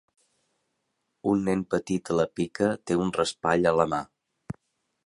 Un nen petit a la pica té un raspall a la mà.